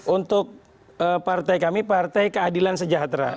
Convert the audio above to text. untuk partai kami partai keadilan sejahtera